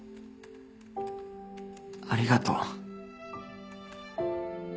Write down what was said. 「ありがとう」